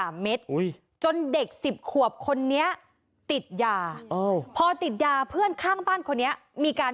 แบบอุ๊ยจนเด็ก๑๐ขวบคนนี้ติดยาพอติดยาเภือนข้างบ้านคนนี้มีการ